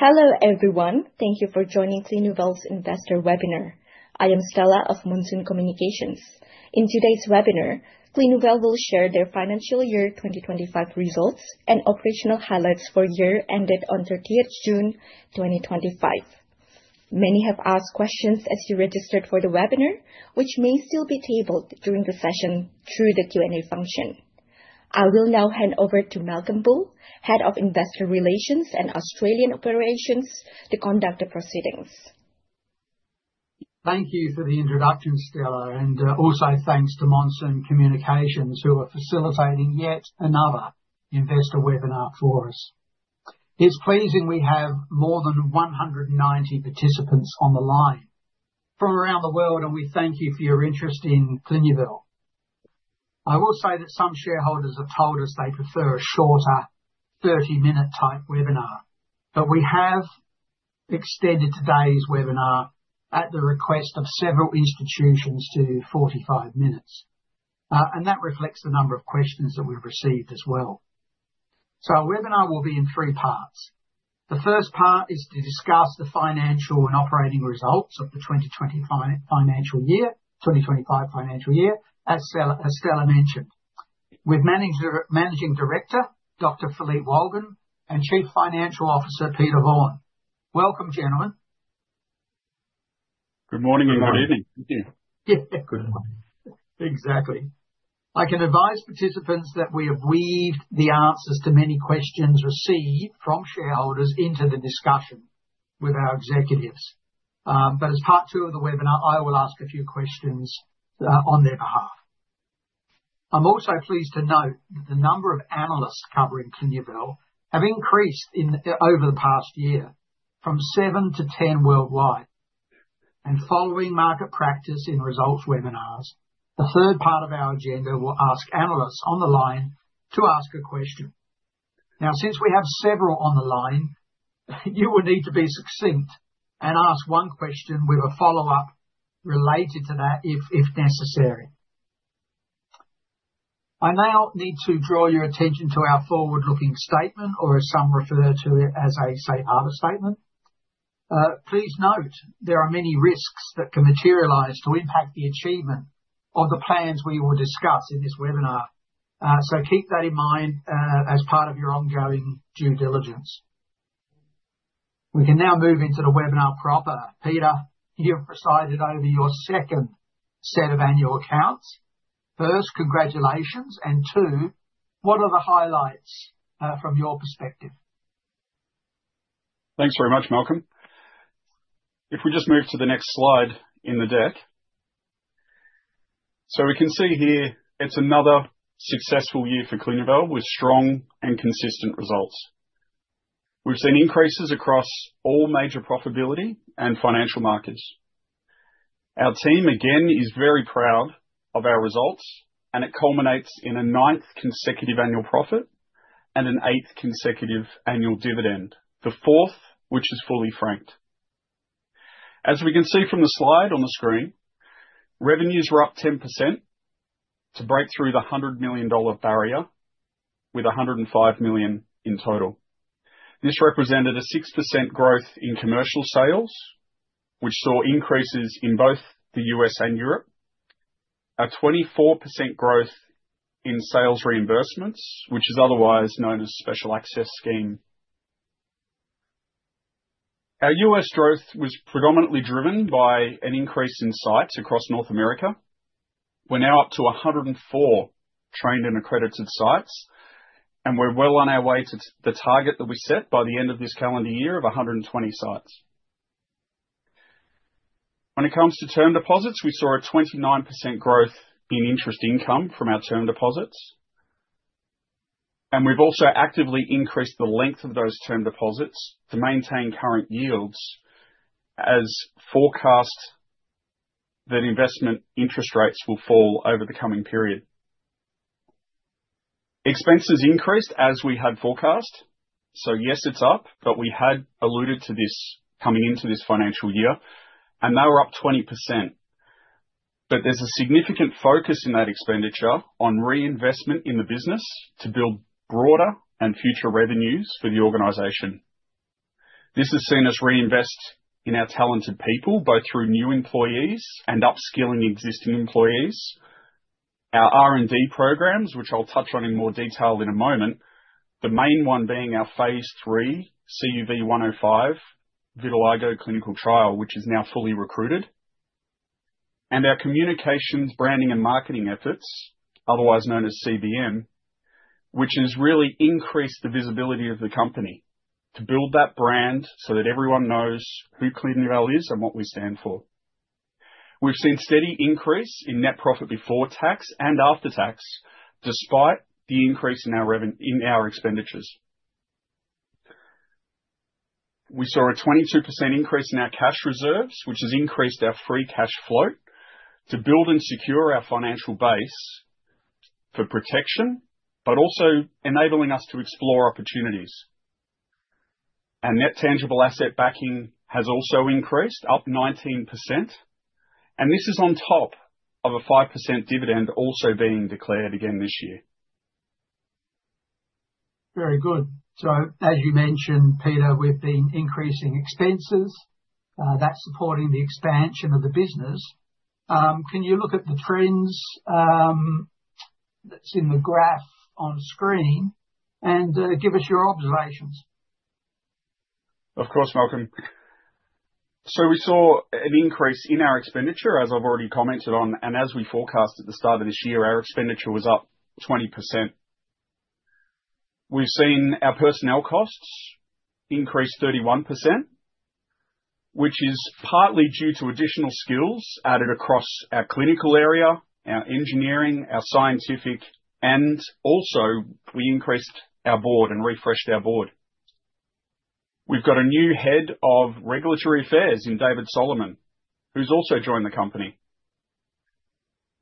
Hello everyone, thank you for joining Clinuvel's investor webinar. I am Stella Mariss of Monsoon Communications. In today's webinar, Clinuvel will share their financial year 2025 results and operational highlights for the year ended on June 30, 2025. Many have asked questions as you registered for the webinar, which may still be tabled during the session through the Q&A function. I will now hand over to Malcolm Bull, Head of Investor Relations and Australian Operations, to conduct the proceedings. Thank you for the introduction, Stella, and also thanks to Monsoon Communications who are facilitating yet another investor webinar for us. It's pleasing we have more than 190 participants on the line from around the world, and we thank you for your interest in Clinuvel. Some shareholders have told us they prefer a shorter 30-minute type webinar, but we have extended today's webinar at the request of several institutions to 45 minutes, and that reflects the number of questions that we've received as well. Our webinar will be in three parts. The first part is to discuss the financial and operating results of the 2025 financial year, as Stella mentioned, with Managing Director Dr. Philippe Wolgen and Chief Financial Officer Peter Vaughan. Welcome, gentlemen. Good morning and good evening. Exactly. I can advise participants that we have weaved the answers to many questions received from shareholders into the discussion with our executives. As part two of the webinar, I will ask a few questions on their behalf. I'm also pleased to note that the number of analysts covering Clinuvel has increased over the past year from seven to ten worldwide. Following market practice in results webinars, the third part of our agenda will ask analysts on the line to ask a question. Now, since we have several on the line, you will need to be succinct and ask one question. We will follow up related to that if necessary. I now need to draw your attention to our forward-looking statement, or as some refer to it as a safe harbor statement. Please note there are many risks that can materialize to impact the achievement of the plans we will discuss in this webinar. Keep that in mind as part of your ongoing due diligence. We can now move into the webinar proper. Peter, you've presided over your second set of annual accounts. First, congratulations. Two, what are the highlights from your perspective? Thanks very much, Malcolm. If we just move to the next slide in the deck. We can see here it's another successful year for Clinuvel with strong and consistent results. We've seen increases across all major profitability and financial markets. Our team again is very proud of our results, and it culminates in a ninth consecutive annual profit and an eighth consecutive annual dividend, the fourth which is fully franked. As we can see from the slide on the screen, revenues were up 10% to break through the $100 million barrier with $105 million in total. This represented a 6% growth in commercial sales, which saw increases in both the U.S. and Europe, a 24% growth in sales reimbursements, which is otherwise known as a special access scheme. Our U.S. growth was predominantly driven by an increase in sites across North America. We're now up to 104 trained and accredited sites, and we're well on our way to the target that we set by the end of this calendar year of 120 sites. When it comes to term deposits, we saw a 29% growth in interest income from our term deposits, and we've also actively increased the length of those term deposits to maintain current yields as forecast that investment interest rates will fall over the coming period. Expenses increased as we had forecast. Yes, it's up, but we had alluded to this coming into this financial year, and they're up 20%. There's a significant focus in that expenditure on reinvestment in the business to build broader and future revenues for the organization. This is seen as reinvesting in our talented people, both through new employees and upskilling existing employees. Our R&D programs, which I'll touch on in more detail in a moment, the main one being our Phase III CUV105 vitiligo clinical trial, which is now fully recruited, and our communications, branding, and marketing efforts, otherwise known as CBM, which has really increased the visibility of the company to build that brand so that everyone knows who Clinuvel is and what we stand for. We've seen a steady increase in net profit before tax and after tax, despite the increase in our expenditures. We saw a 22% increase in our cash reserves, which has increased our free cash flow to build and secure our financial base for protection, but also enabling us to explore opportunities. Net tangible asset backing has also increased up 19%. This is on top of a 5% dividend also being declared again this year. Very good. As you mentioned, Peter, we've been increasing expenses that's supporting the expansion of the business. Can you look at the trends that's in the graph on screen and give us your observations? Of course, Malcolm. We saw an increase in our expenditure, as I've already commented on, and as we forecast at the start of this year, our expenditure was up 20%. We've seen our personnel costs increase 31%, which is partly due to additional skills added across our clinical area, our engineering, our scientific, and also we increased our Board and refreshed our Board. We've got a new Head of Regulatory Affairs in David Solomon, who's also joined the company.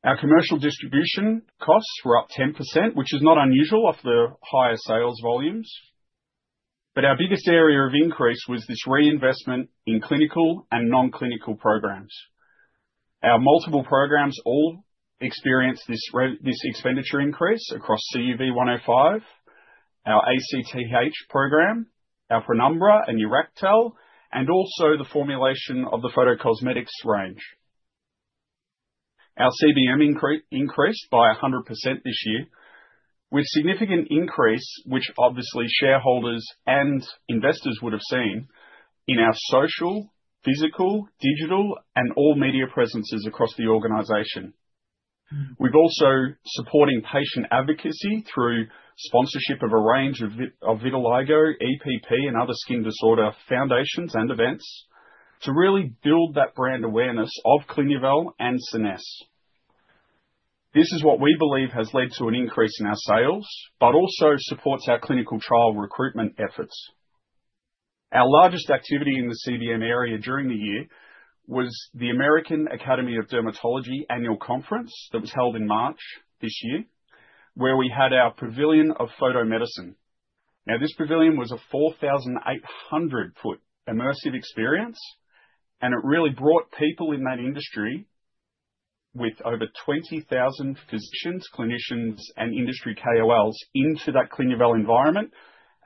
Our commercial distribution costs were up 10%, which is not unusual off the higher sales volumes. Our biggest area of increase was this reinvestment in clinical and non-clinical programs. Our multiple programs all experienced this expenditure increase across CUV105, our ACTH generic (NEURACTHEL®) program, our PRÉNUMBRA and NEURACTHEL®, and also the formulation of the photocosmetics range. Our CBM increased by 100% this year, with a significant increase, which obviously shareholders and investors would have seen in our social, physical, digital, and all media presences across the organization. We've also supported patient advocacy through sponsorship of a range of vitiligo, EPP, and other skin disorder foundations and events to really build that brand awareness of Clinuvel and SCENESSE®. This is what we believe has led to an increase in our sales, but also supports our clinical trial recruitment efforts. Our largest activity in the CBM area during the year was the American Academy of Dermatology annual conference that was held in March this year, where we had our Pavilion of Photo Medicine. This pavilion was a 4,800-foot immersive experience, and it really brought people in that industry with over 20,000 physicians, clinicians, and industry KOLs into that Clinuvel environment.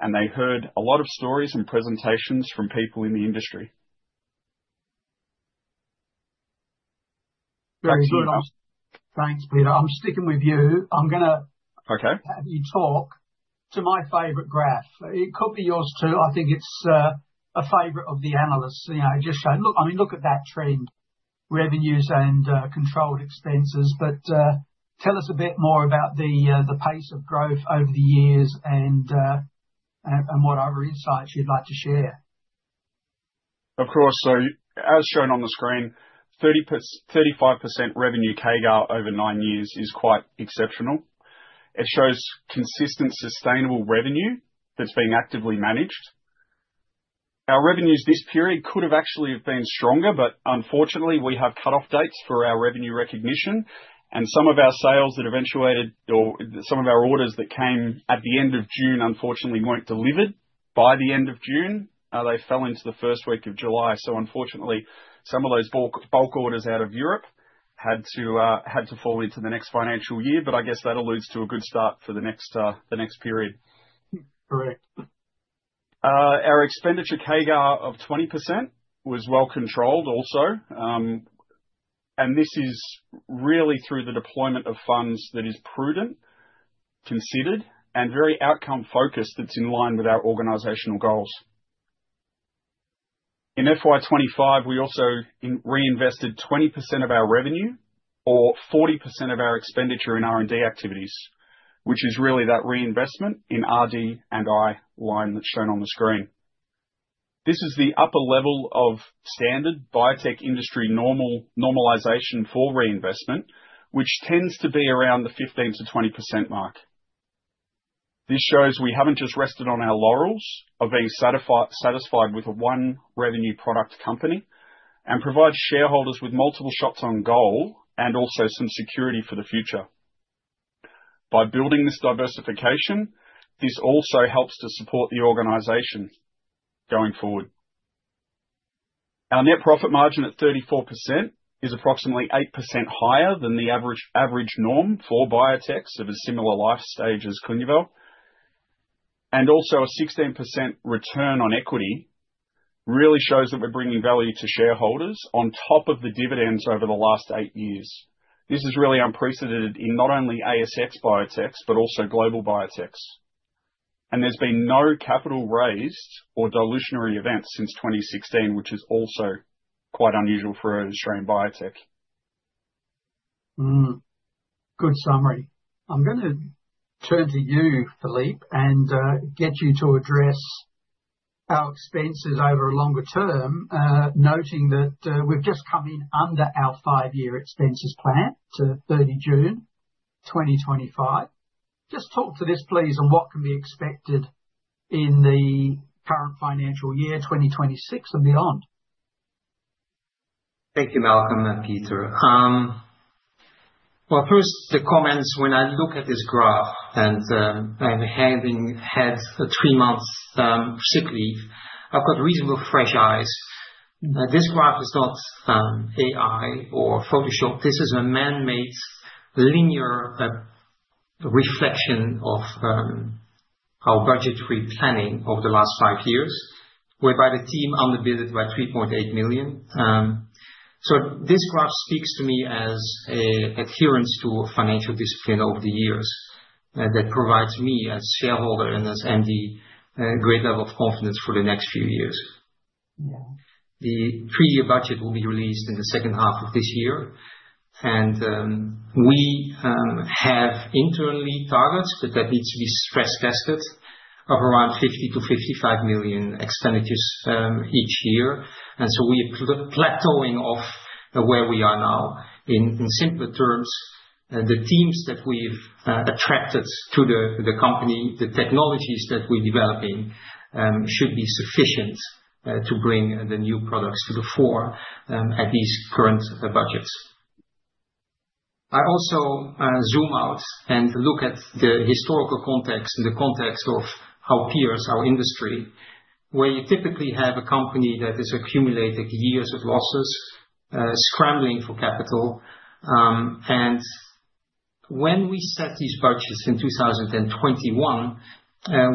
They heard a lot of stories and presentations from people in the industry. Very good. Thanks, Peter. I'm sticking with you. I'm going to have you talk to my favorite graph. It could be yours too. I think it's a favorite of the analysts. You know, I just showed, look, I mean, look at that trend: revenues and controlled expenses. Tell us a bit more about the pace of growth over the years and what other insights you'd like to share. Of course. As shown on the screen, 35% revenue CAGR over nine years is quite exceptional. It shows consistent, sustainable revenue that's being actively managed. Our revenues this period could have actually been stronger, but unfortunately, we have cutoff dates for our revenue recognition, and some of our sales that eventuated or some of our orders that came at the end of June unfortunately weren't delivered by the end of June. They fell into the first week of July. Unfortunately, some of those bulk orders out of Europe had to fall into the next financial year. I guess that alludes to a good start for the next period. Correct. Our expenditure CAGR of 20% was well controlled also. This is really through the deployment of funds that is prudent, considered, and very outcome-focused. It's in line with our organizational goals. In FY2025, we also reinvested 20% of our revenue or 40% of our expenditure in R&D activities, which is really that reinvestment in R&D and I line that's shown on the screen. This is the upper level of standard biotech industry normalization for reinvestment, which tends to be around the 15%-20% mark. This shows we haven't just rested on our laurels of being satisfied with a one revenue product company and provides shareholders with multiple shots on goal and also some security for the future. By building this diversification, this also helps to support the organization going forward. Our net profit margin at 34% is approximately 8% higher than the average norm for biotechs of a similar life stage as Clinuvel, and also a 16% return on equity really shows that we're bringing value to shareholders on top of the dividends over the last eight years. This is really unprecedented in not only ASX biotechs, but also global biotechs. There has been no capital raised or dilutionary events since 2016, which is also quite unusual for an Australian biotech. Good summary. I'm going to turn to you, Philippe, and get you to address our expenses over a longer term, noting that we've just come in under our five-year expenses plan to 30 June 2025. Just talk to this, please, on what can be expected in the current financial year, 2026 and beyond. Thank you, Malcolm and Peter. First, the comments, when I look at this graph and I'm handing head a three-month sick leave, I've got reasonable fresh eyes. This graph is not AI or Photoshop. This is a man-made linear reflection of our budgetary planning over the last five years, whereby the team underbid it by $3.8 million. This graph speaks to me as an adherence to financial discipline over the years that provides me as a shareholder and the great level of confidence for the next few years. The three-year budget will be released in the second half of this year, and we have internally targets that need to be stress-tested of around $50 million-$55 million expenditures each year. We are plateauing off where we are now. In simpler terms, the teams that we've attracted to the company, the technologies that we're developing should be sufficient to bring the new products to the fore at these current budgets. I also zoom out and look at the historical context in the context of how peers our industry, where you typically have a company that has accumulated years of losses, scrambling for capital. When we set these budgets in 2021,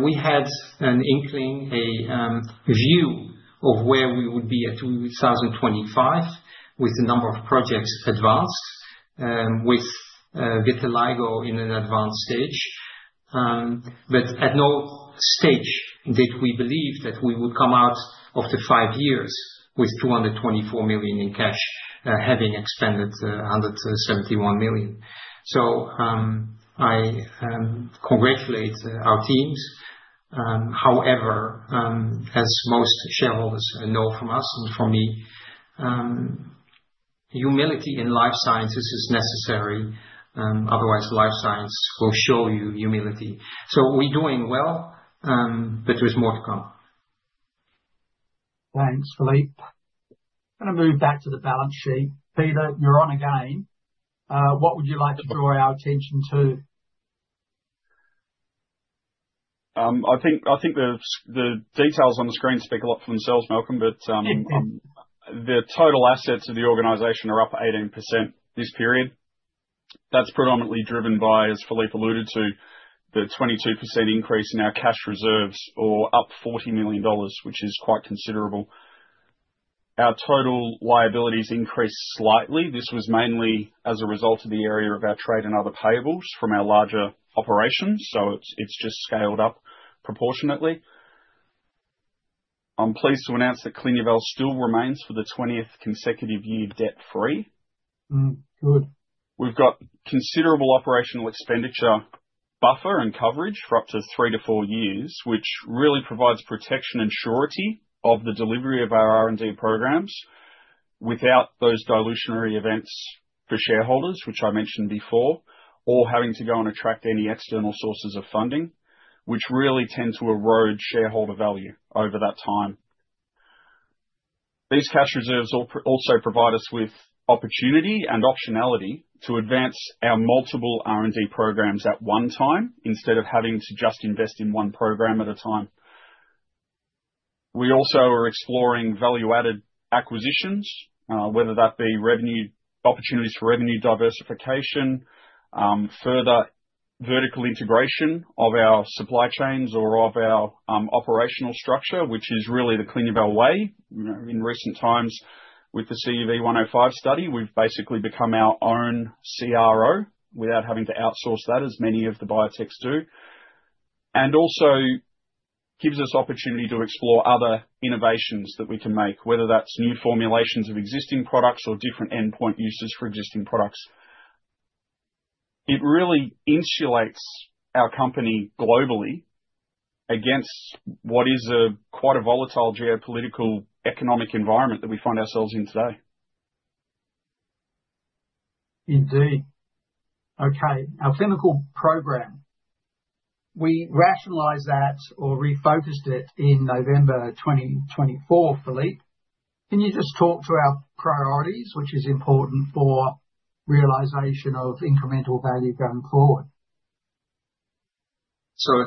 we had an inkling, a view of where we would be at 2025 with the number of projects advanced, with vitiligo in an advanced stage. At no stage did we believe that we would come out of the five years with $224 million in cash, having expended $171 million. I congratulate our teams. However, as most shareholders know from us and from me, humility in life sciences is necessary. Otherwise, life science will show you humility. We're doing well, but there's more to come. Thanks, Philippe. I'm going to move back to the balance sheet. Peter, you're on again. What would you like to draw our attention to? I think the details on the screen speak a lot for themselves, Malcolm, but the total assets of the organization are up 18% this period. That's predominantly driven by, as Philippe alluded to, the 22% increase in our cash reserves or up $40 million, which is quite considerable. Our total liabilities increased slightly. This was mainly as a result of the area of our trade and other payables from our larger operations. It's just scaled up proportionately. I'm pleased to announce that Clinuvel still remains for the 20th consecutive year debt-free. Good. We've got considerable operational expenditure buffer and coverage for up to three to four years, which really provides protection and surety of the delivery of our R&D programs without those dilutionary events for shareholders, which I mentioned before, or having to go and attract any external sources of funding, which really tend to erode shareholder value over that time. These cash reserves also provide us with opportunity and optionality to advance our multiple R&D programs at one time instead of having to just invest in one program at a time. We also are exploring value-added acquisitions, whether that be opportunities for revenue diversification, further vertical integration of our supply chains or of our operational structure, which is really the Clinuvel way. In recent times, with the CUV105 study, we've basically become our own CRO without having to outsource that, as many of the biotechs do. It also gives us opportunity to explore other innovations that we can make, whether that's new formulations of existing products or different endpoint uses for existing products. It really insulates our company globally against what is quite a volatile geopolitical economic environment that we find ourselves in today. Indeed. Okay. Our clinical program, we rationalized that or refocused it in November 2024, Philippe. Can you just talk to our priorities, which is important for realization of incremental value going forward?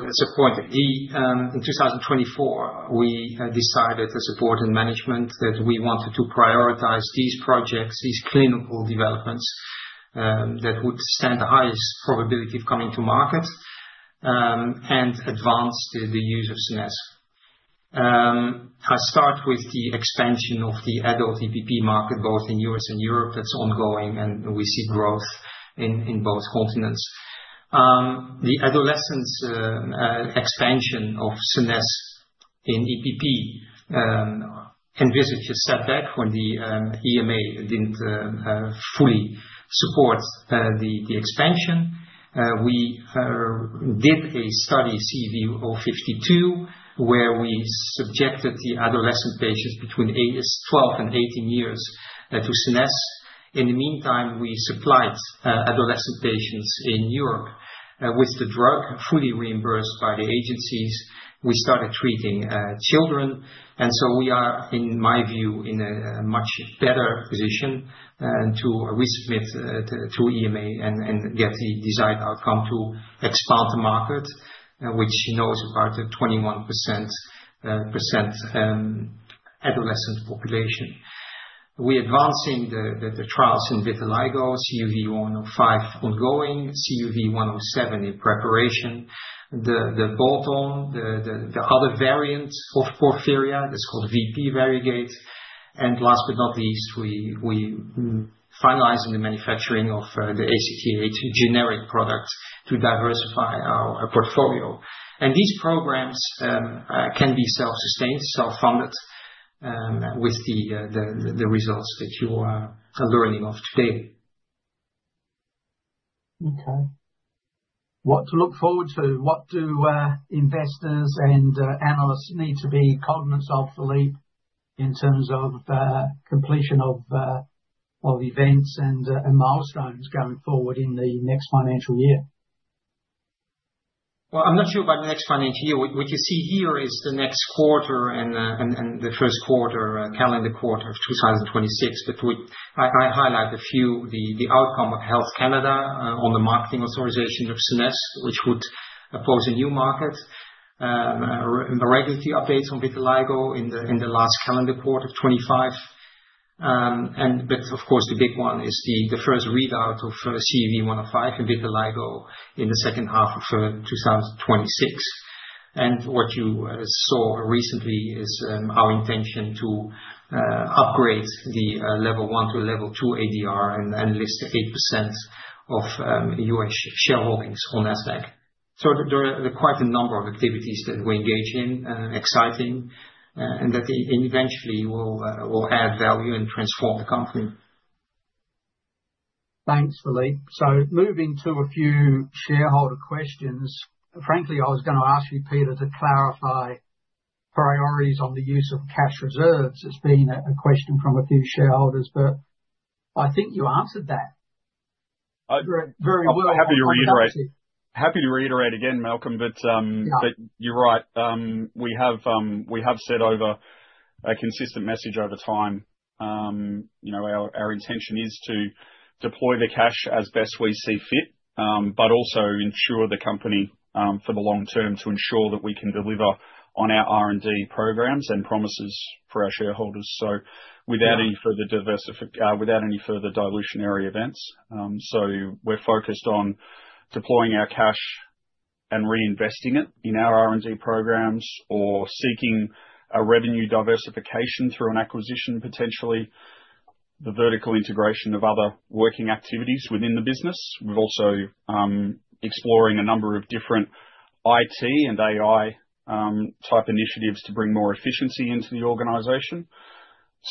That's a point. In 2024, we had decided as a Board and management that we wanted to prioritize these projects, these clinical developments that would stand the highest probability of coming to market and advance the use of SCENESSE®. I start with the expansion of the adult EPP market, both in the U.S. and Europe. That's ongoing, and we see growth in both continents. The adolescent expansion of SCENESSE® in EPP can visit a setback when the EMA didn't fully support the expansion. We did a study, CUV052, where we subjected the adolescent patients between 12 and 18 years to SCENESSE®. In the meantime, we supplied adolescent patients in Europe with the drug fully reimbursed by the agencies. We started treating children, and in my view, we are in a much better position to resubmit through EMA and get the desired outcome to expand the market, which you know is about a 21% adolescent population. We're advancing the trials on vitiligo, CUV105 ongoing, CUV107 in preparation, the bolt-on, the other variant of porphyria that's called VP, variegate. Last but not least, we finalize on the manufacturing of the ACTH generic (NEURACTHEL®) product to diversify our portfolio. These programs can be self-sustained, self-funded with the results that you are learning of today. Okay. What to look forward to? What do investors and analysts need to be cognizant of, Philippe, in terms of completion of events and milestones going forward in the next financial year? I'm not sure by next financial year. What you see here is the next quarter and the first quarter, calendar quarter of 2026. I highlight the outcome of Health Canada on the marketing authorization of SCENESSE®, which would open a new market. Embedded the updates on vitiligo in the last calendar quarter of 2025. Of course, the big one is the first read-out of CUV105 and vitiligo in the second half of 2026. What you saw recently is our intention to upgrade the level one to level two ADR and list the 8% of U.S. shareholdings on NASDAQ. There are quite a number of activities that we engage in, exciting, and that eventually will add value and transform the company. Thanks, Philippe. Moving to a few shareholder questions, frankly, I was going to ask you, Peter, to clarify priorities on the use of cash reserves. It's been a question from a few shareholders, but I think you answered that. I'd be very happy to reiterate again, Malcolm, but you're right. We have set over a consistent message over time. Our intention is to deploy the cash as best we see fit, but also ensure the company for the long term to ensure that we can deliver on our R&D programs and promises for our shareholders without any further dilutionary events. We're focused on deploying our cash and reinvesting it in our R&D programs or seeking a revenue diversification through an acquisition, potentially the vertical integration of other working activities within the business. We're also exploring a number of different IT and AI type initiatives to bring more efficiency into the organization.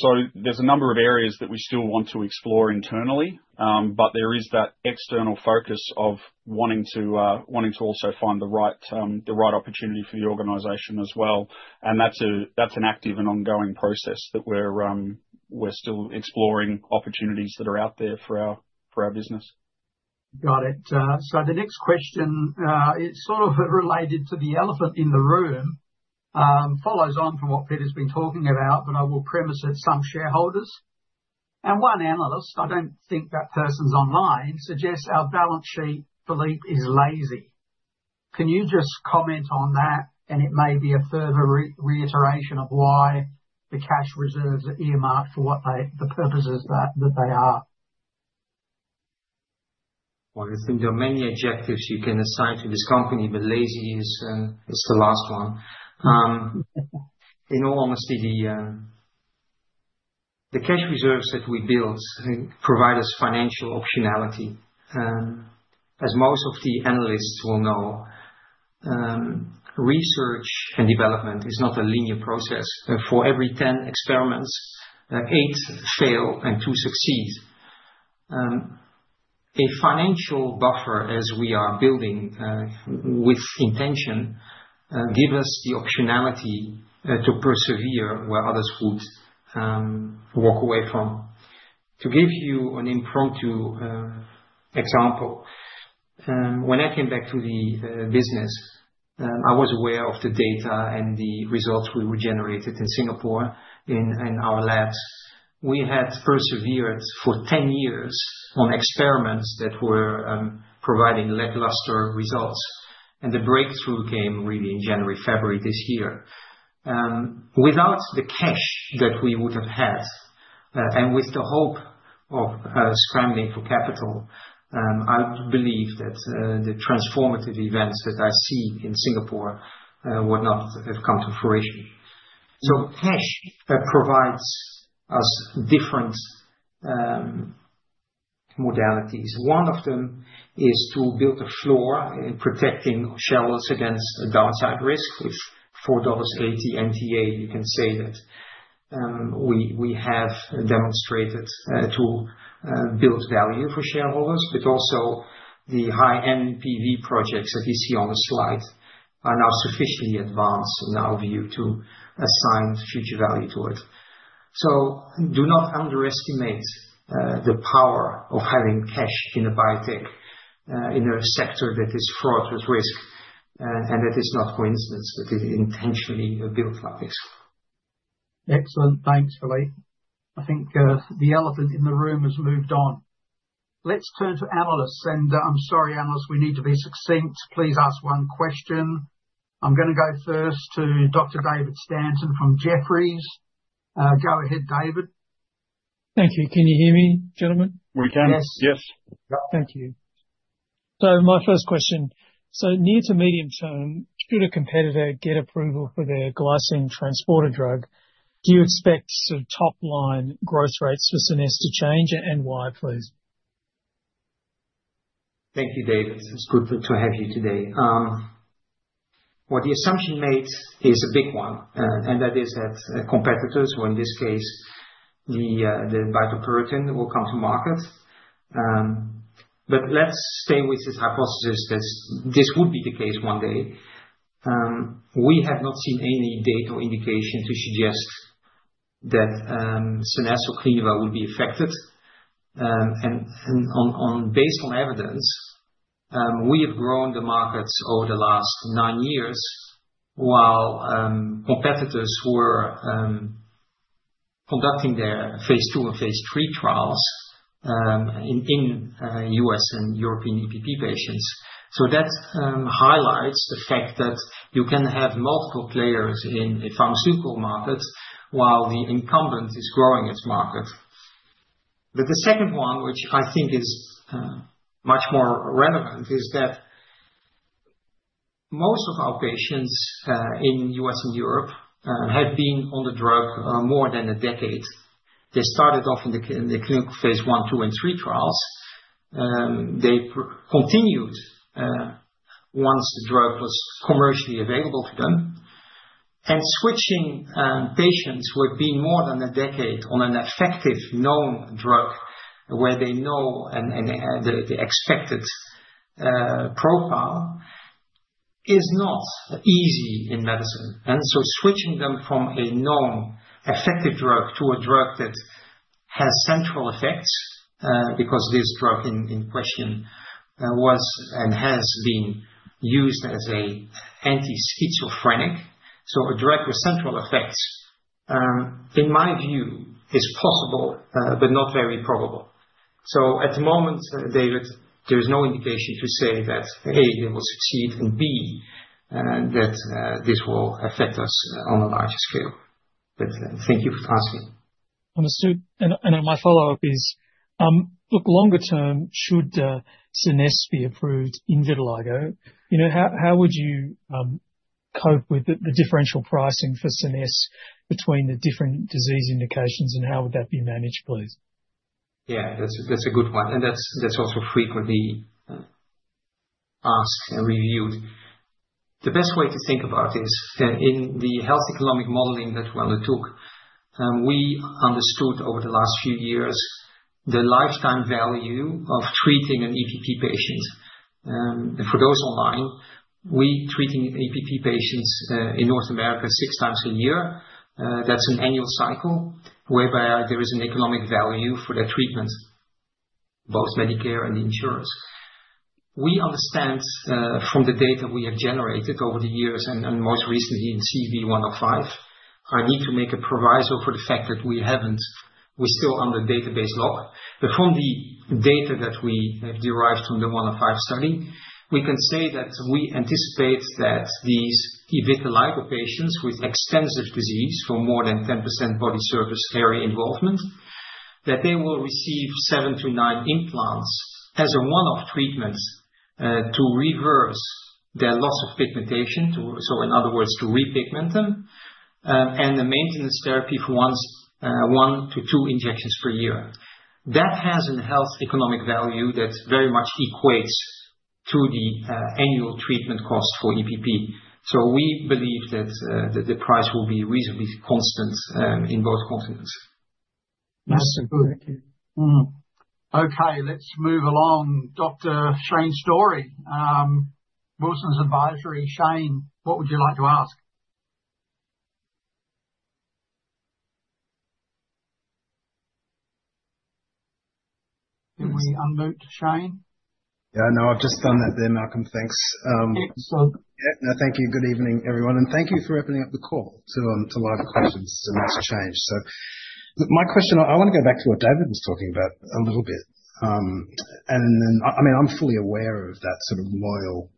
There are a number of areas that we still want to explore internally, but there is that external focus of wanting to also find the right opportunity for the organization as well. That's an active and ongoing process that we're still exploring opportunities that are out there for our business. Got it. The next question, it's sort of related to the elephant in the room, follows on from what Peter's been talking about. I will premise that some shareholders and one analyst, I don't think that person's online, suggests our balance sheet, Philippe, is lazy. Can you just comment on that? It may be a further reiteration of why the cash reserves are earmarked for what the purposes that they are. There seem to be many objectives you can assign to this company, but laziness is the last one. In all honesty, the cash reserves that we build provide us financial optionality. As most of the analysts will know, research and development is not a linear process. For every 10 experiments, eight fail and two succeed. A financial buffer, as we are building, with intention, gives us the optionality to persevere where others would walk away from. To give you an impromptu example, when I came back to the business, I was aware of the data and the results we were generating in Singapore in our labs. We had persevered for 10 years on experiments that were providing lackluster results. The breakthrough came really in January, February this year. Without the cash that we would have had, and with the hope of scrambling for capital, I believe that the transformative events that I see in Singapore would not have come to fruition. Cash provides us different modalities. One of them is to build a floor in protecting shareholders against downside risk. With $4.80 NTA, you can say that we have demonstrated to build value for shareholders, but also the high-end PV projects that you see on the slides are now sufficiently advanced in our view to assign future value to it. Do not underestimate the power of having cash in a biotech, in a sector that is fraught with risk, and that is not coincidence, but is intentionally built for us. Excellent. Thanks, Philippe. I think the elephant in the room has moved on. Let's turn to analysts. I'm sorry, analysts, we need to be succinct. Please ask one question. I'm going to go first to Dr. David Andrew Stanton from Jefferies. Go ahead, David. Thank you. Can you hear me, gentlemen? We can, yes. Thank you. My first question, near to medium term, should a competitor get approval for their glycine transporter drug, do you expect sort of top-line growth rates for Clinuvel Pharmaceuticals to change, and why, please? Thank you, David. It's good to have you today. The assumption made is a big one, and that is that competitors, or in this case, the biotopyroten, will come to market. Let's stay with this hypothesis that this would be the case one day. We have not seen any data or indication to suggest that SCENESSE® or Clinuvel would be affected. Based on evidence, we have grown the markets over the last nine years while competitors were conducting their Phase II and Phase III trials in U.S. and European EPP patients. That highlights the fact that you can have multiple players in a pharmaceutical market while the incumbent is growing its market. The second one, which I think is much more relevant, is that most of our patients in the U.S. and Europe have been on the drug more than a decade. They started off in the clinical Phase I, II, and III trials. They continued once the drug was commercially available to them. Switching patients who have been more than a decade on an effective known drug where they know and the expected profile is not easy in medicine. Switching them from a known effective drug to a drug that has central effects because this drug in question was and has been used as an anti-schizophrenic, so a drug with central effects, in my view, is possible but not very probable. At the moment, David, there is no indication to say that A, it will succeed, and B, that this will affect us on a larger scale. Thank you for asking. Understood. My follow-up is, longer term, should SCENESSE® be approved in vitiligo, how would you cope with the differential pricing for SCENESSE® between the different disease indications, and how would that be managed, please? That's a good point. That's also frequently asked and reviewed. The best way to think about it is in the health economic modeling that Weller took. We understood over the last few years the lifetime value of treating an EPP patient. For those online, we treat an EPP patient in North America six times a year. That's an annual cycle whereby there is an economic value for that treatment, both Medicare and insurers. We understand from the data we have generated over the years, and most recently in CUV105, our need to make a proviso for the fact that we haven't, we're still under database lock. From the data that we have derived from the 105 study, we can say that we anticipate that these vitiligo patients with extensive disease for more than 10% body surface hair involvement, that they will receive seven to nine implants as a one-off treatment to reverse their loss of pigmentation. In other words, to repigment them, and the maintenance therapy for one to two injections per year. That has a health economic value that very much equates to the annual treatment cost for EPP. We believe that the price will be reasonably constant in both continents. Okay, let's move along. Dr. Shane A. Storey, Wilsons Advisory and Stockbroking Limited. Shane, what would you like to ask? Can we unmute Shane? Yeah, no, I've just done that there, Malcolm. Thanks. Excellent. Thank you. Good evening, everyone. Thank you for opening up the call to live questions, Mr. Shane. My question, I want to go back to what David was talking about a little bit. I'm fully aware of that sort of loyal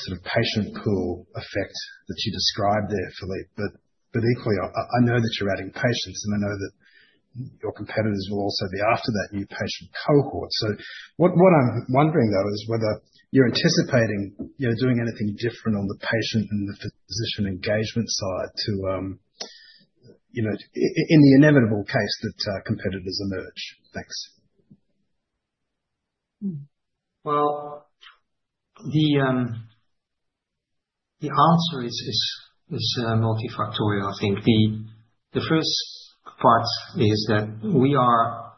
sort of patient pool effect that you described there, Philippe. Equally, I know that you're adding patients, and I know that your competitors will also be after that new patient cohort. What I'm wondering, though, is whether you're anticipating doing anything different on the patient and the physician engagement side to, you know, in the inevitable case that competitors emerge. Thanks. The answer is multifactorial, I think. The first part is that we are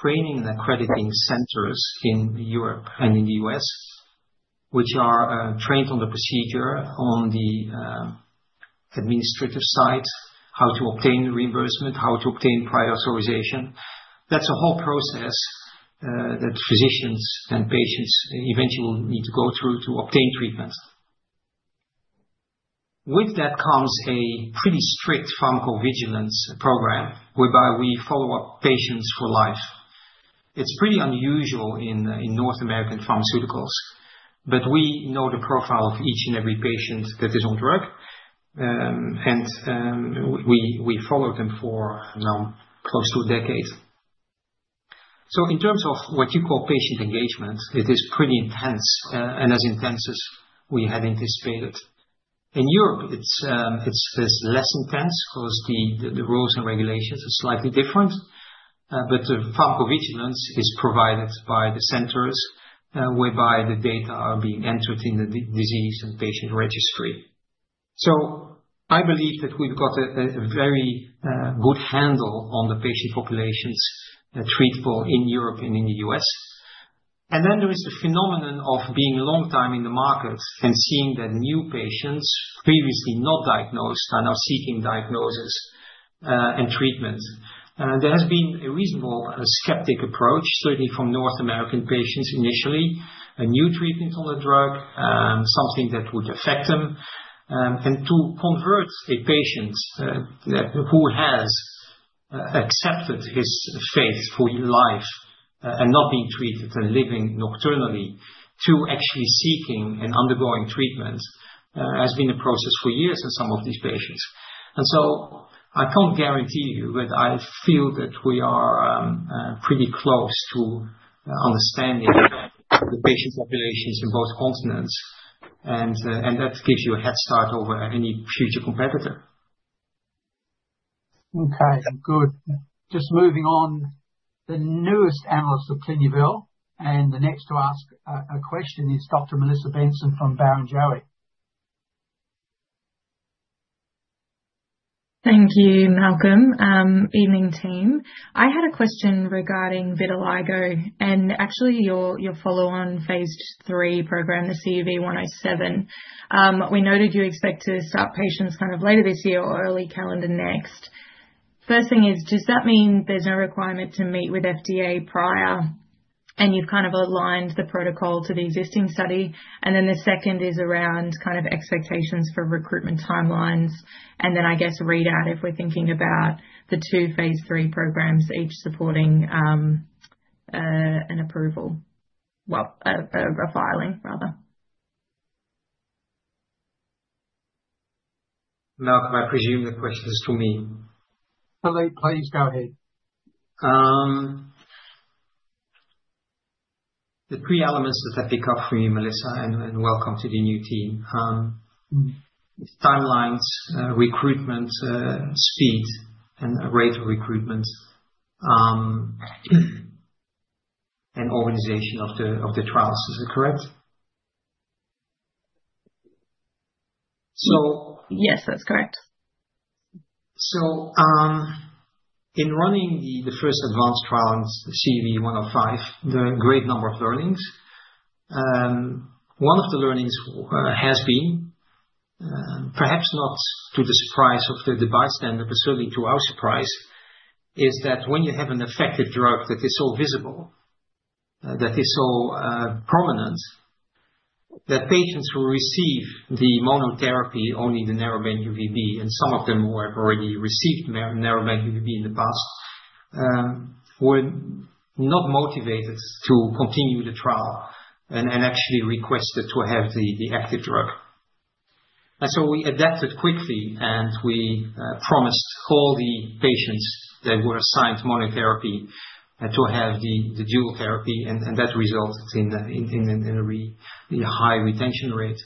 training the accrediting centers in Europe and in the U.S., which are trained on the procedure on the administrative side, how to obtain reimbursement, how to obtain prior authorization. That is a whole process that physicians and patients eventually will need to go through to obtain treatments. With that comes a pretty strict pharmacovigilance program whereby we follow up patients for life. It is pretty unusual in North American pharmaceuticals, but we know the profile of each and every patient that is on drug, and we follow them for around close to a decade. In terms of what you call patient engagement, it is pretty intense, and as intense as we had anticipated. In Europe, it is less intense because the rules and regulations are slightly different, but the pharmacovigilance is provided by the centers whereby the data are being entered in the disease and patient registry. I believe that we have got a very good handle on the patient populations treated in Europe and in the U.S. There is the phenomenon of being a long time in the market and seeing that new patients previously not diagnosed are seeking diagnosis and treatment. There has been a reasonable skeptic approach, certainly from North American patients initially, a new treatment on the drug, something that would affect them. To convert a patient who has accepted this phase for your life and not being treated and living nocturnally to actually seeking and undergoing treatment has been a process for years in some of these patients. I cannot guarantee you, but I feel that we are pretty close to understanding the patient populations in both continents, and that gives you a head start over any future competitor. Okay, good. Just moving on, the newest analyst of Clinuvel, and next to ask a question is Dr. Melissa Benson from Barrenjoey. Thank you, Malcolm. Evening, team. I had a question regarding vitiligo, and actually your follow-on Phase III program, the CUV105. We noted you expect to start patients later this year or early calendar next. First thing is, does that mean there's no requirement to meet with FDA prior? You've aligned the protocol to the existing study. The second is around expectations for recruitment timelines. I guess readout if we're thinking about the two Phase III programs each supporting a filing, rather. Malcolm, I presume the question is for me. Philippe, please go ahead. The three elements that I pick up for you, Melissa, and welcome to the new team, timelines, recruitment speed, rate of recruitment, and organization of the trials. Is that correct? Yes, that's correct. In running the first advanced trials, CUV105, there are a great number of learnings. One of the learnings has been, perhaps not to the surprise of the bystander, but certainly to our surprise, is that when you have an effective drug that is so visible, that is so prominent, that patients will receive the monotherapy only in the narrowband UVB, and some of them who have already received narrowband UVB in the past were not motivated to continue the trial and actually requested to have the active drug. We adapted quickly, and we promised all the patients that were assigned monotherapy to have the dual therapy, and that resulted in a high retention rate.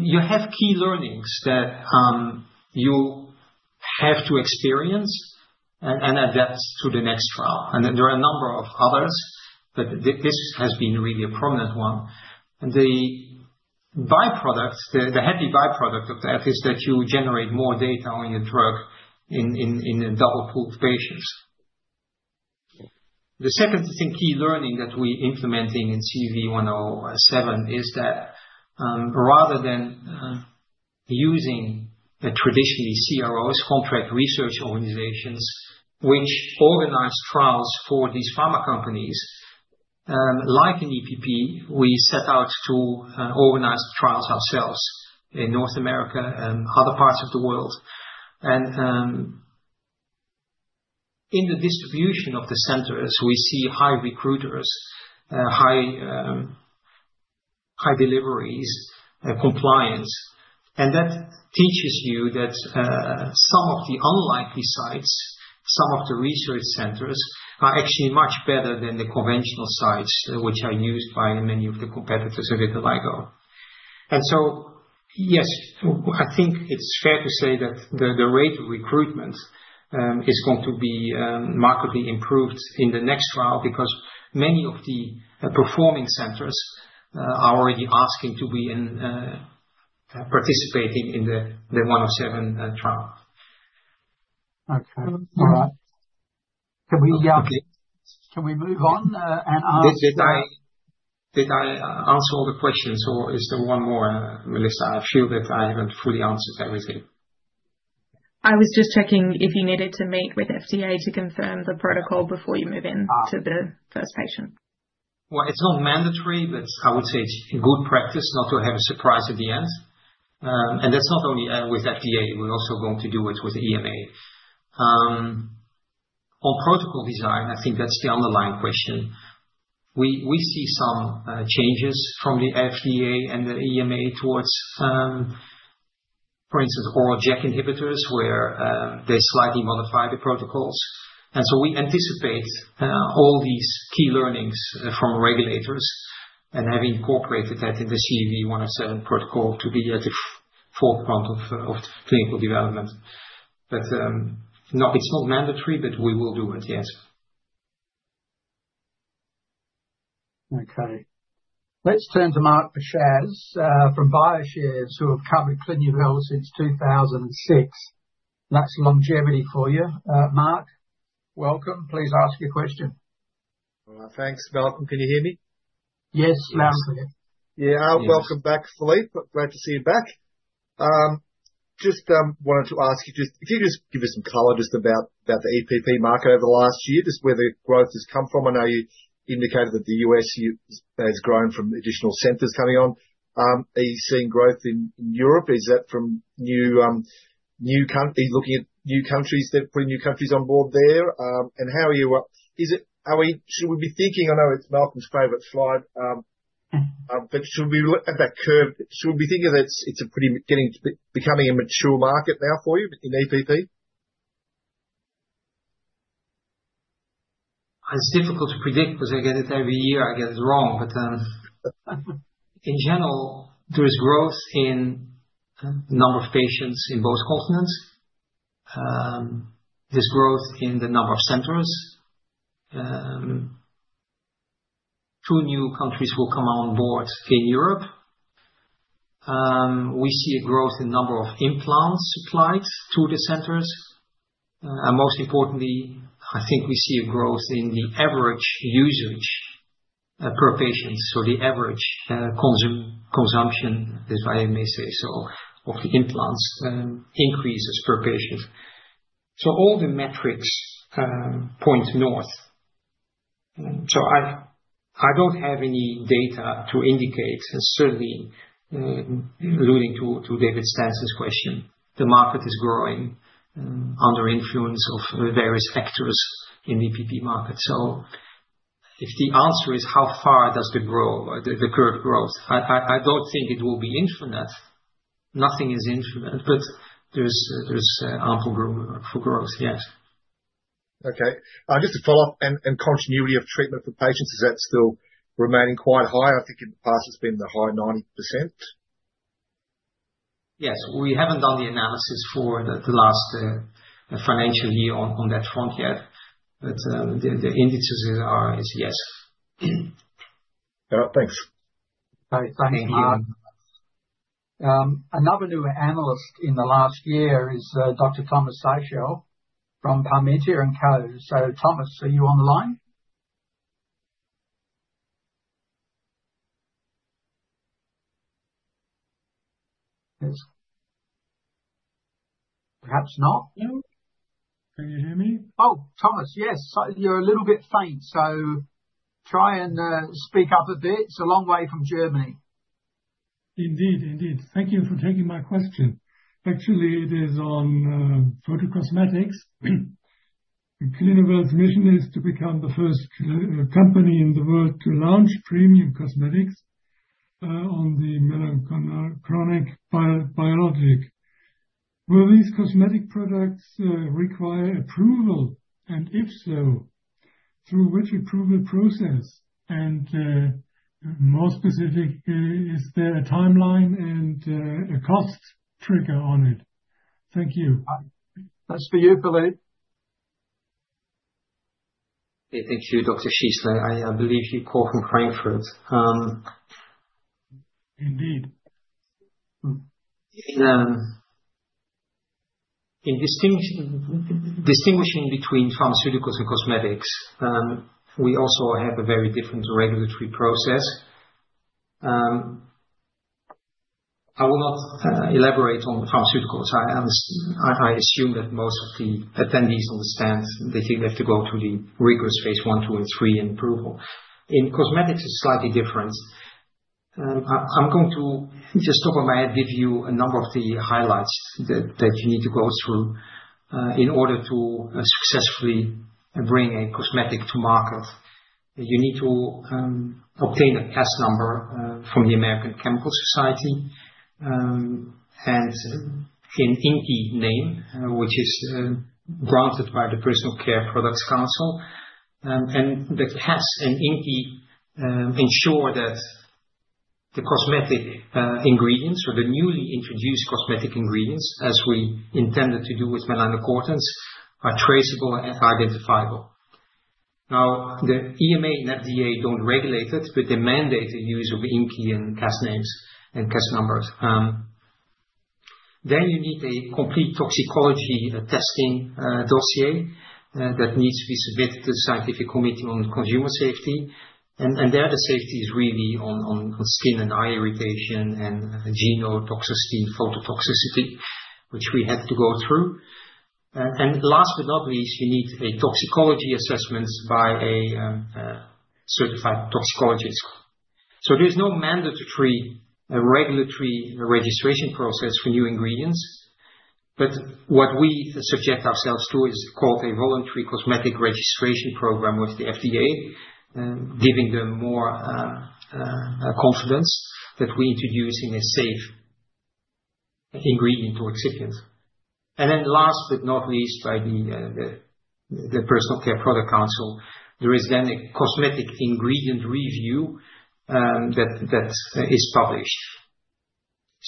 You have key learnings that you have to experience and adapt to the next trial. There are a number of others, but this has been really a prominent one. The happy byproduct of that is that you generate more data on your drug in a double-pooled patient. The second key learning that we're implementing in CUV107 is that rather than using traditionally CROs, contract research organizations, which organize trials for these pharma companies, like in EPP, we set out to organize trials ourselves in North America and other parts of the world. In the distribution of the centers, we see high recruiters, high deliveries, compliance. That teaches you that some of the unlikely sites, some of the research centers are actually much better than the conventional sites, which are used by many of the competitors of vitiligo. I think it's fair to say that the rate of recruitment is going to be markedly improved in the next trial because many of the performing centers are already asking to be participating in the 107 trials. Okay. All right. Can we move on and ask? Did I answer all the questions, or is there one more, Melissa? I feel that I haven't fully answered everything. I was just checking if you needed to meet with FDA to confirm the protocol before you move in to the first patient. It is not mandatory, but I would say it's a good practice not to have a surprise at the end. That's not only with FDA. We're also going to do it with EMA. On protocol design, I think that's the underlying question. We see some changes from the FDA and the EMA towards, for instance, oral JAK inhibitors where they slightly modify the protocols. We anticipate all these key learnings from regulators and have incorporated that in the CV107 protocol to be at the forefront of clinical development. It is not mandatory, but we will do it, yes. Okay. Let's turn to Mark Pachacz from Bioshares who have covered Clinuvel since 2006. That's longevity for you. Mark, welcome. Please ask your question. Thanks, Malcolm. Can you hear me? Yes, Malcolm. Yeah, welcome back, Philippe. Glad to see you back. Just wanted to ask you, if you could just give us some color about the EPP market over the last year, just where the growth has come from. I know you indicated that the U.S. has grown from additional centers coming on. Are you seeing growth in Europe? Is that from new countries? Are you looking at new countries that bring new countries on board there? How are you? Should we be thinking, I know it's Malcolm's favorite slide, but should we look at that curve? Should we be thinking that it's beginning to become a mature market now for you in EPP? It's difficult to predict because I get it every year, I get it wrong. In general, there is growth in the number of patients in both continents. There's growth in the number of centers. Two new countries will come on board in Europe. We see a growth in the number of implant supplies through the centers. Most importantly, I think we see a growth in the average usage per patient. The average consumption, if I may say so, of implants increases per patient. All the metrics point north. I don't have any data to indicate, and certainly alluding to David Andrew Stanton's question, the market is growing under the influence of various sectors in the EPP market. If the answer is how far does the growth, the current growth, I don't think it will be infinite. Nothing is infinite, but there's ample room for growth, yes. Okay. I guess the follow-up and continuity of treatment for patients, is that still remaining quite high? I think in the past it's been the high 90%. Yes. We haven't done the analysis for the last financial year on that front yet, but the indices that are is yes. All right. Thanks. Thanks, Malcolm. Another new analyst in the last year is Dr. Thomas Schiessle from Parmantier and Cie. Thomas, are you on the line? Perhaps not. Can you hear me? Oh, Thomas, yes. You're a little bit faint. Try and speak up a bit. It's a long way from Germany. Thank you for taking my question. Actually, it is on photocosmetics. Clinuvel's mission is to become the first company in the world to launch premium cosmetics on the melanoclonic biologic. Will these cosmetic products require approval? If so, through which approval process? More specifically, is there a timeline and a cost trigger on it? Thank you. That's for you, Philippe. Hey, thank you, Dr. Schiessle. I believe you called from Frankfurt. Indeed. In distinguishing between pharmaceuticals and cosmetics, we also have a very different regulatory process. I will not elaborate on the pharmaceuticals. I assume that most of the attendees understand they think they have to go through the rigorous Phase I, II, and III and approval. In cosmetics, it's slightly different. I'm going to just talk off my head and give you a number of the highlights that you need to go through in order to successfully bring a cosmetic to market. You need to obtain a CAS number from the American Chemical Society and an INCI name, which is granted by the Personal Care Products Council, and that has an INCI to ensure that the cosmetic ingredients or the newly introduced cosmetic ingredients, as we intended to do with melanocortins, are traceable and identifiable. Now, the EMA and FDA don't regulate it, but they mandate the use of INCI and CAS names and CAS numbers. You need a complete toxicology testing dossier that needs to be submitted to the Scientific Committee on Consumer Safety. The safety is really on skin and eye irritation and genotoxicity, phototoxicity, which we had to go through. Last but not least, you need a toxicology assessment by a certified toxicologist. There is no mandatory regulatory registration process for new ingredients. What we suggest ourselves to do is call a voluntary cosmetic registration program with the FDA, giving them more confidence that we're introducing a safe ingredient to existence. Last but not least, by the Personal Care Products Council, there is then a cosmetic ingredient review that is published.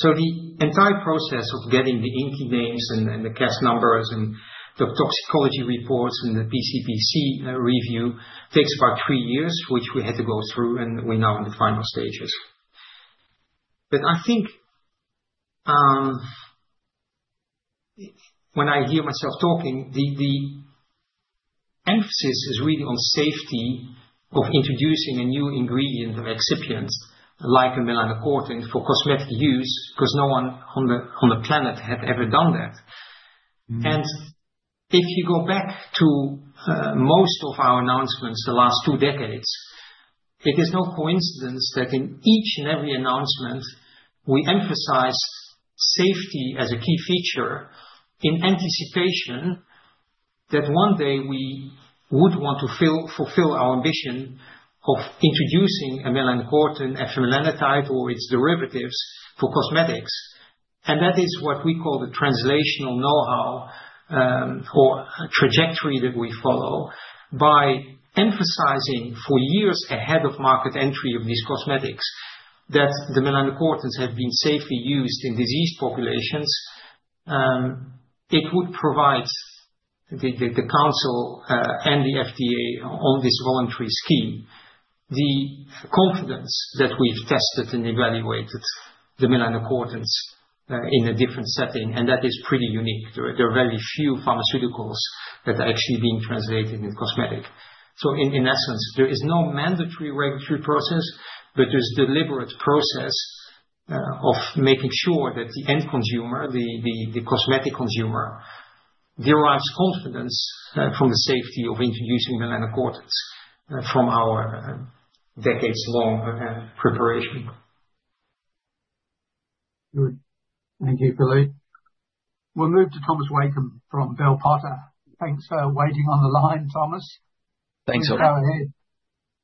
The entire process of getting the INCI names and the CAS numbers and the toxicology reports and the PCPC review takes about three years, which we had to go through, and we're now in the final stages. I think when I hear myself talking, the emphasis is really on safety of introducing a new ingredient or excipient like a melanocortin for cosmetic use because no one on the planet had ever done that. If you go back to most of our announcements the last two decades, it is no coincidence that in each and every announcement, we emphasize safety as a key feature in anticipation that one day we would want to fulfill our ambition of introducing a melanocortin, afamelanotide or its derivatives, for cosmetics. That is what we call the translational know-how or trajectory that we follow by emphasizing for years ahead of market entry of these cosmetics that the melanocortins have been safely used in disease populations. It would provide the council and the FDA on this voluntary scheme the confidence that we've tested and evaluated the melanocortins in a different setting, and that is pretty unique. There are very few pharmaceuticals that are actually being translated in cosmetics. In essence, there is no mandatory regulatory process, but there's a deliberate process of making sure that the end consumer, the cosmetic consumer, derives confidence from the safety of introducing melanocortins from our decades-long preparation. Thank you, Philippe. We'll move to Thomas Wakim from Bell Potter. Thanks for waiting on the line, Thomas. Thanks, sir.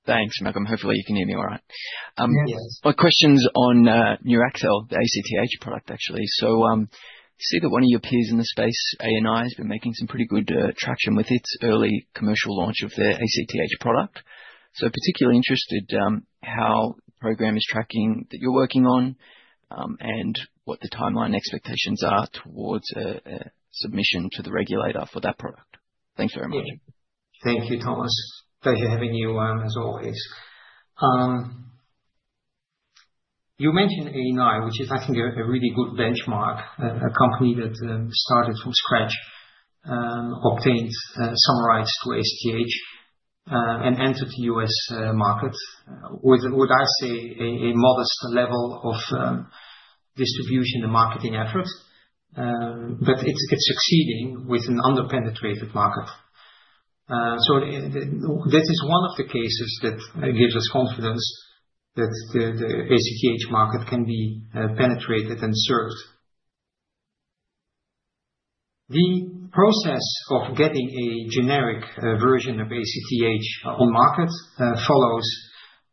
Thanks, Malcolm. Hopefully, you can hear me all right. My question is on NEURACTHEL®, the ACTH product, actually. I see that one of your peers in this space, ANI, has been making some pretty good traction with its early commercial launch of their ACTH product. I am particularly interested in how the program is tracking that you're working on and what the timeline expectations are towards a submission to the regulator for that product. Thanks very much. Thank you, Thomas. Thanks for having you as always. You mentioned ANI, which is, I think, a really good benchmark, a company that started from scratch, obtained some rights to ACTH and entered the U.S. markets with, I would say, a modest level of distribution and marketing efforts. It's succeeding with an underpenetrated market. That is one of the cases that gives us confidence that the ACTH market can be penetrated and served. The process of getting a generic version of ACTH on market follows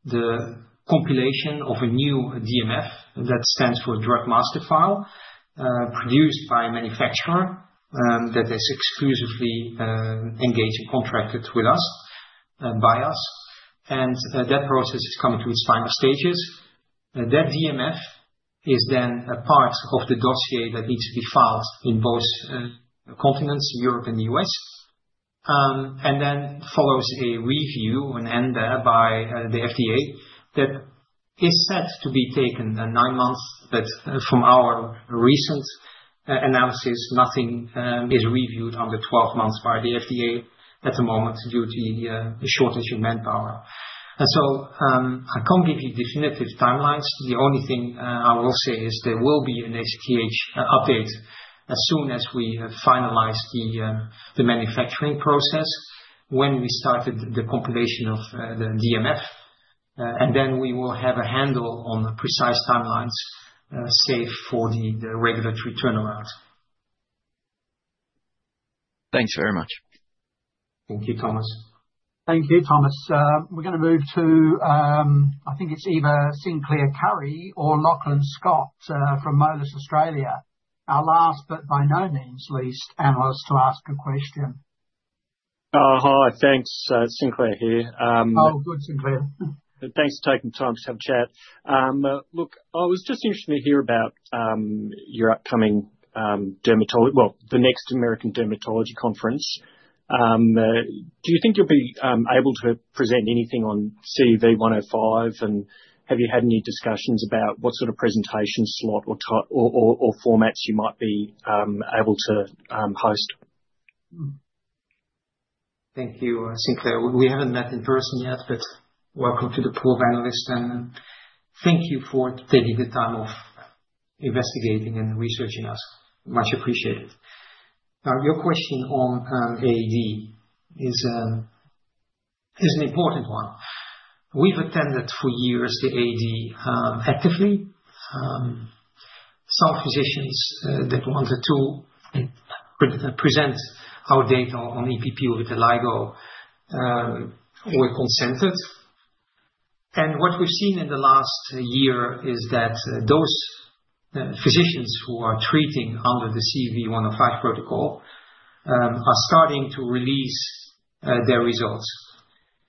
the compilation of a new DMF, that stands for Drug Master File, produced by a manufacturer that is exclusively engaged and contracted with us, and by us. That process is coming to its final stages. That DMF is then a part of the dossier that needs to be filed in both continents, Europe and the U.S., and then follows a review and end there by the FDA that is set to be taken nine months. From our recent analysis, nothing is reviewed under 12 months by the FDA at the moment due to the shortage of manpower. I can't give you definitive timelines. The only thing I will say is there will be an ACTH update as soon as we have finalized the manufacturing process when we started the compilation of the DMF. We will have a handle on precise timelines, save for the regulatory turnaround. Thanks very much. Thank you, Thomas. Thank you, Thomas. We're going to move to, I think it's either Sinclair Currie or Lachlan Scott from Moelis Australia, our last but by no means least analyst to ask a question. Oh, hi. Thanks. Sinclair here. Oh, good, Sinclair Currie. Thanks for taking the time to have a chat. I was just interested to hear about your upcoming, the next American Dermatology Conference. Do you think you'll be able to present anything on CUV105? Have you had any discussions about what sort of presentation slot or formats you might be able to host? Thank you, Sinclair. We haven't met in person yet, but welcome to the pool of analysts. And thank you for taking the time off investigating and researching us. Much appreciated. Now, your question on AAD is an important one. We've attended for years the AAD actively. Some physicians that wanted to present our data on EPP with vitiligo were consensus. What we've seen in the last year is that those physicians who are treating under the CUV105 protocol are starting to release their results.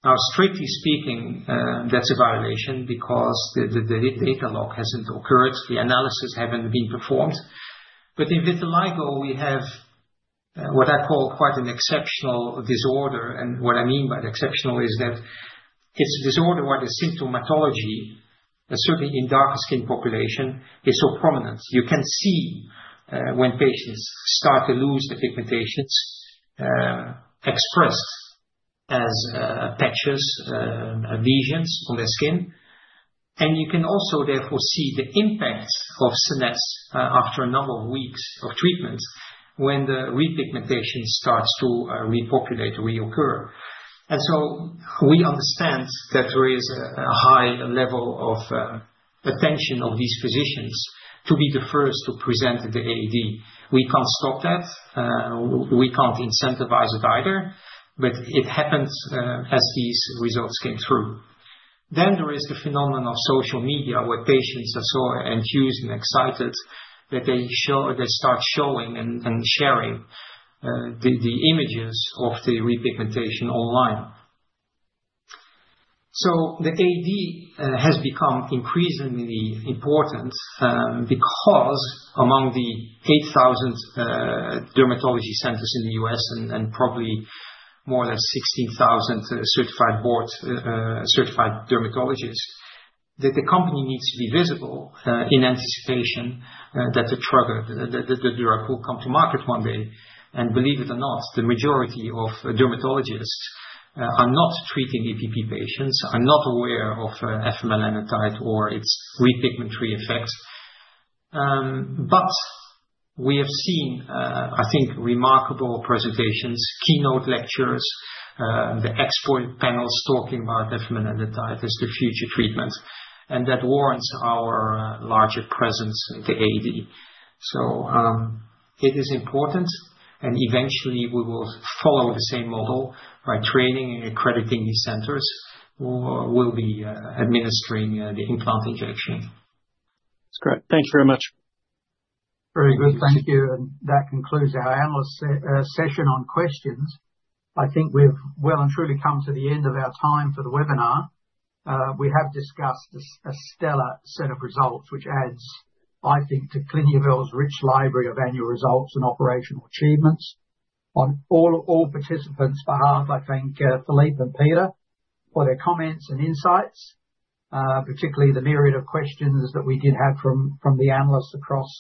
Now, strictly speaking, that's a violation because the data lock hasn't occurred. The analysis hasn't been performed. If it's vitiligo, we have what I call quite an exceptional disorder. What I mean by the exceptional is that it's a disorder where the symptomatology, certainly in the dark skin population, is so prominent. You can see when patients start to lose the pigmentation, expressed as patches and lesions on their skin. You can also therefore see the impact of SCENESSE® after a number of weeks of treatments when the repigmentation starts to repopulate or reoccur. We understand that there is a high level of attention of these physicians to be the first to present at the AAD. We can't stop that. We can't incentivize it either, but it happens as these results came through. There is the phenomenon of social media where patients are so enthused and excited that they start showing and sharing the images of the repigmentation online. The AAD has become increasingly important because among the 8,000 dermatology centers in the U.S. and probably more or less 16,000 certified board-certified dermatologists, the company needs to be visible in anticipation that the product, that the drug will come to market one day. Believe it or not, the majority of dermatologists are not treating EPP patients, are not aware of afamelanotide or its repigmentary effects. We have seen, I think, remarkable presentations, keynote lectures, the excellent panels talking about afamelanotide as the future treatment. That warrants our larger presence at the AAD. It is important. Eventually, we will follow the same model by training and accrediting these centers who will be administering the implant injection. That's great. Thanks very much. Very good. Thank you. That concludes our analyst session on questions. I think we've well and truly come to the end of our time for the webinar. We have discussed a stellar set of results, which adds, I think, to Clinuvel Pharmaceuticals Limited's rich library of annual results and operational achievements. On all participants' behalf, I thank Philippe Wolgen and Peter Vaughan for their comments and insights, particularly the myriad of questions that we did have from the analysts across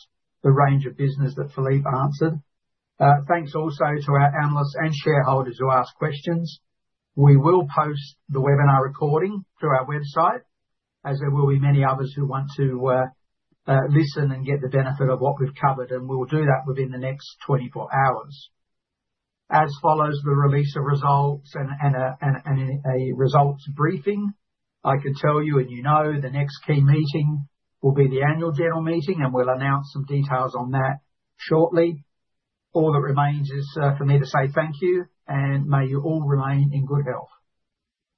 the range of business that Philippe answered. Thanks also to our analysts and shareholders who asked questions. We will post the webinar recording to our website, as there will be many others who want to listen and get the benefit of what we've covered. We will do that within the next 24 hours, following the release of results and a results briefing. I could tell you, and you know, the next key meeting will be the annual general meeting, and we'll announce some details on that shortly. All that remains is for me to say thank you, and may you all remain in good health.